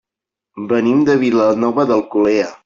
Venim de Vilanova d'Alcolea.